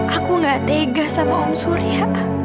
aku gak tega sama om surya